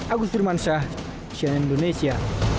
agus firmansyah cnn indonesia